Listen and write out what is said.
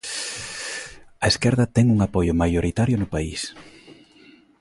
A esquerda ten un apoio maioritario no país.